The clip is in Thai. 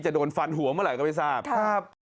โดนฟันหัวเมื่อไหร่ก็ไม่ทราบครับ